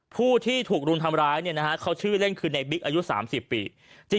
ผู้ที่ถูกรุมทำร้ายเขาชื่อเล่นคือในบิ๊กอายุ๓๐ปี